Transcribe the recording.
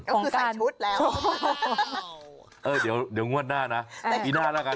ก็คือใส่ชุดแล้วเออเดี๋ยวงวดหน้านะปีหน้าแล้วกัน